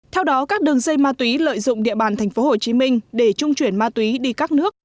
theo đó các đường dây ma túy lợi dụng địa bàn tp hcm để trung chuyển ma túy đi các nước